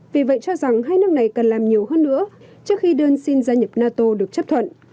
vì vậy cho rằng hai nước này cần làm nhiều hơn nữa trước khi đơn xin gia nhập nato được chấp thuận